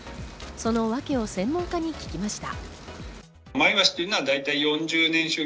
そのワケを専門家に聞きました。